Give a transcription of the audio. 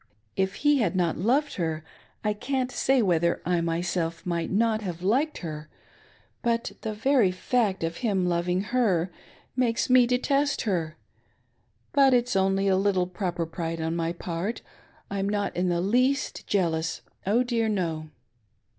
If he had not loved her, I can't say whether I myself might not have liked her. But the very fact of him loving her makes me detest her, but its only a little proper pride on my part — I'm not in the least jealous, Oh dear no!"